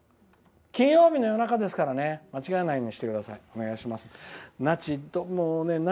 金曜日の夜中ですからね間違えないようにしてください。